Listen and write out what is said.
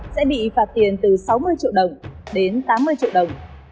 sẽ bị phạt tiền từ sáu mươi triệu đồng đến tám mươi triệu đồng